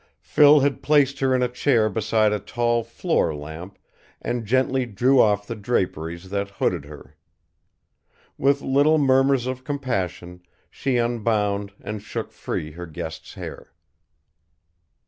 Phil had placed her in a chair beside a tall floor lamp and gently drew off the draperies that hooded her. With little murmurs of compassion, she unbound and shook free her guest's hair.